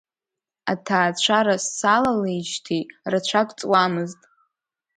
Аҭаацәара салалеижьҭеи рацәак ҵуамызт.